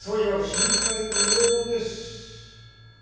心配無用です。